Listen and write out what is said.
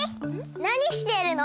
なにしてるの？